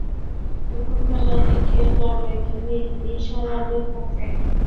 দুপুরবেলার দিকে যাবে নিসার আলির কাছে।